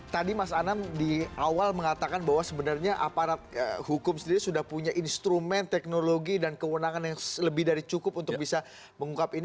tadi mas anam di awal mengatakan bahwa sebenarnya aparat hukum sendiri sudah punya instrumen teknologi dan kewenangan yang lebih dari cukup untuk bisa mengungkap ini